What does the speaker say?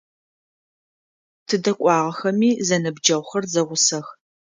Тыдэ кӏуагъэхэми, зэныбджэгъухэр зэгъусэх.